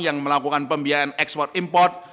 yang melakukan pembiayaan ekspor import